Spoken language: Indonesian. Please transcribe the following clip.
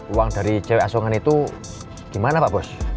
uang dari cewek asongan itu gimana pak bos